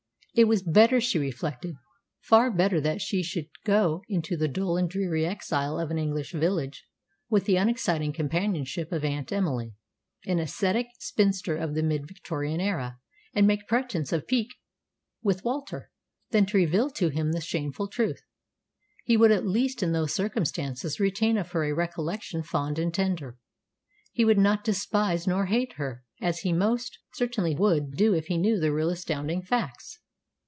It was better, she reflected, far better, that she should go into the dull and dreary exile of an English village, with the unexciting companionship of Aunt Emily, an ascetic spinster of the mid Victorian era, and make pretence of pique with Walter, than to reveal to him the shameful truth. He would at least in those circumstances retain of her a recollection fond and tender. He would not despise nor hate her, as he most certainly would do if he knew the real astounding facts.